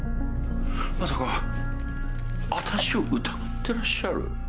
まさかあたしを疑ってらっしゃる？